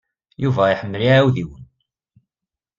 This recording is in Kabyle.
Yuba iḥemmel iɛewdiwen.